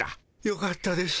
よかったです